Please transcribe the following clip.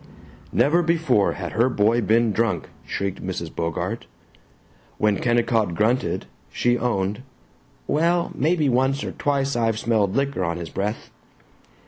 Never before had her boy been drunk, shrieked Mrs. Bogart. When Kennicott grunted, she owned, "Well, maybe once or twice I've smelled licker on his breath."